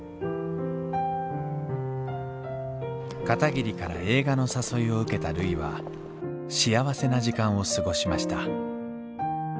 片桐から映画の誘いを受けたるいは幸せな時間を過ごしました